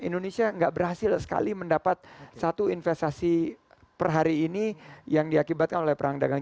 indonesia nggak berhasil sekali mendapat satu investasi per hari ini yang diakibatkan oleh perang dagang